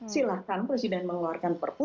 silakan presiden mengeluarkan perpu